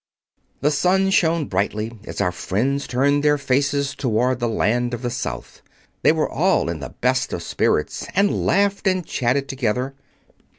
The sun shone brightly as our friends turned their faces toward the Land of the South. They were all in the best of spirits, and laughed and chatted together.